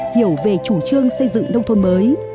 hiểu về chủ trương xây dựng nông thôn mới